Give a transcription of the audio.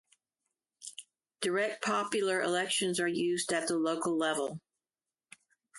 Direct popular elections are used at the local level.